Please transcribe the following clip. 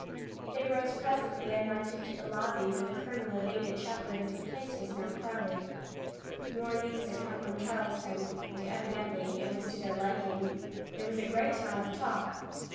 They rose presently and went into the lobby, where the colonel evaded Shepard, as the place was now crowded. More news had come from Charleston and evidently it was to their liking. There was a great amount of talk.